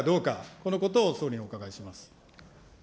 このことを総理にお伺いします。